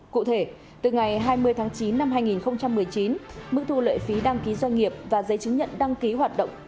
cụ thể từ ngày hai mươi tháng chín năm hai nghìn một mươi chín mức thu lệ phí đăng ký doanh nghiệp và giấy chứng nhận đăng ký doanh nghiệp đã giảm mạnh